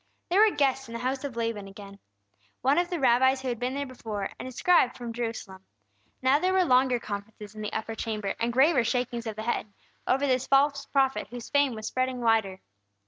There were guests in the house of Laban again. One of the rabbis who had been there before, and a scribe from Jerusalem. Now there were longer conferences in the upper chamber, and graver shakings of the head, over this false prophet whose fame was spreading wider.